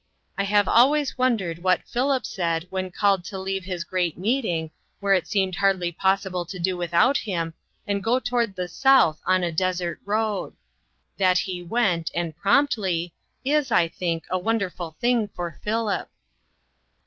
I have always wondered what Philip said when called to leave his great meeting, where it seemed hardly possible to do without him, and go toward the south on a desert road. That he went, and promptly, is, I think, a won derful thing for Philip.